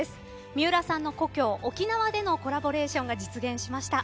三浦さんの故郷沖縄でのコラボレーションが実現しました。